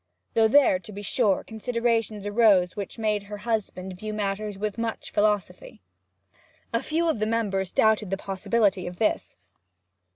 Though there, to be sure, considerations arose which made her husband view matters with much philosophy. A few of the members doubted the possibility of this.